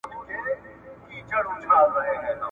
د دښمن د پوځونو شمېر ډېر دئ.